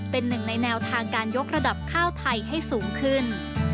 เป็นหนึ่งในแนวทางการยกระดับข้าวไทยให้สูงขึ้น